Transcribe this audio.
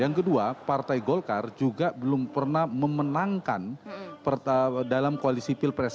yang kedua partai golkar juga belum pernah memenangkan dalam koalisi pilpres